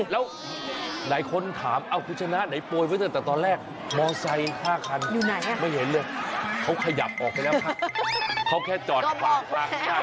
ไม่ได้แจกเขาให้เคลียร์ทางว่าเดี๋ยวตรงนี้เขาจะจัดงานนะ